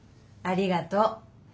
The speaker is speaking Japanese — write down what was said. ありがとう。